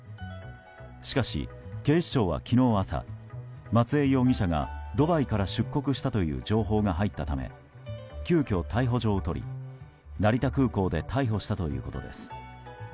しかし、警視庁は昨日朝松江容疑者がドバイから出国したという情報が入ったため急きょ、逮捕状を取り成田空港で逮捕したということです。